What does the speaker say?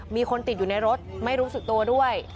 มีคนติดอยู่ในรถไม่รู้สึกตัวด้วย